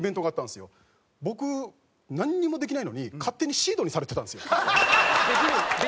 僕なんにもできないのに勝手にシードにされてたんですよ。